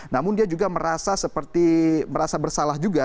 namun dia juga merasa bersalah juga